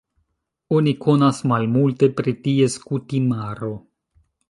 Oni konas malmulte pri ties kutimaro.